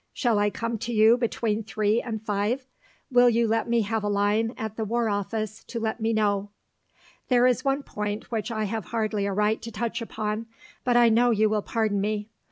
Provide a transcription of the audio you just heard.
Shall I come to you between 3 and 5? Will you let me have a line at the War Office to let me know? There is one point which I have hardly a right to touch upon, but I know you will pardon me.